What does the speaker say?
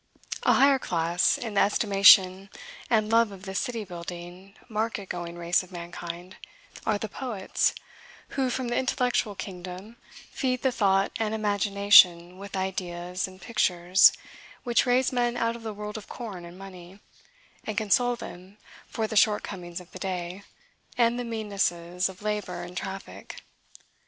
A higher class, in the estimation and love of this city building, market going race of mankind, are the poets, who, from the intellectual kingdom, feed the thought and imagination with ideas and pictures which raise men out of the world of corn and money, and console them for the shortcomings of the day, and the meannesses of labor and traffic.